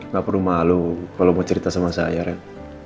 maksudnya malu kalau mau cerita sama saya ren